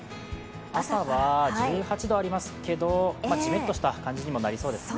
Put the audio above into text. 朝は１８度ありますけど、じめっとした感じにもなりそうですね。